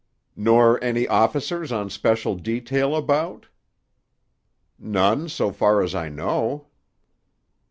"Nor any officers on special detail about?" "None, so far as I know."